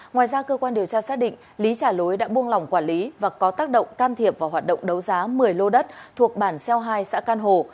ngoài ra cơ quan điều tra xác định lý trả lối đã buông lỏng quản lý và có tác động can thiệp vào hoạt động đấu giá một mươi lô đất thuộc bản xeo hai xã can hồ